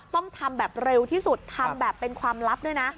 ต้องทำแบบเร็วที่สุดทำแบบเป็นความลับด้วยนะ